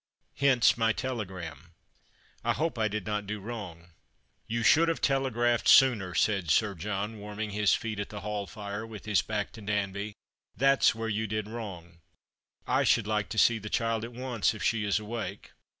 Hence my telegram. I hope I did not do wrong." "You should have telegraphed sooner," said Sir John, warming his feet at the hall fire, with his back to Danby, " that's where you did Avroug. I should like to see the child at once, if she is awake."